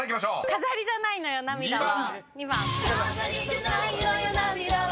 『飾りじゃないのよ涙は』